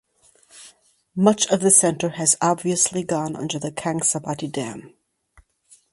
Much of the centre has obviously gone under the Kangsabati dam.